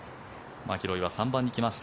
マキロイは３番に来ました。